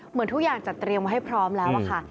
เหมือนทุกอย่างจัดเตรียมไว้ให้พร้อมแล้วค่ะ